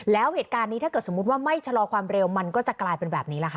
แล้วเหตุการณ์นี้ถ้าเกิดสมมุติว่าไม่ชะลอความเร็วมันก็จะกลายเป็นแบบนี้แหละค่ะ